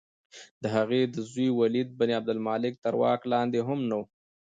د هغه د زوی ولید بن عبدالملک تر واک لاندې هم نه وه.